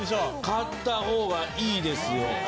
買った方がいいですよ。